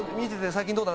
最近どうだ？